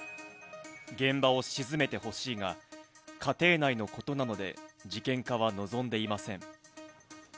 現場を鎮めてほしいが、家庭内のことなので、事件化は望んでいません。